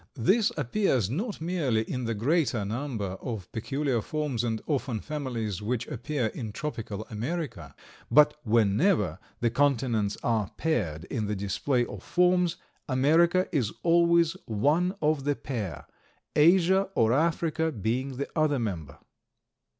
This appears not merely in the greater number of peculiar forms and often families which appear in tropical America; but whenever the continents are paired in the display of forms, America is always one of the pair, Asia or Africa being the other member.